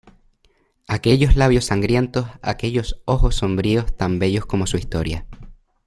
¡ aquellos labios sangrientos, aquellos ojos sombríos tan bellos como su historia!...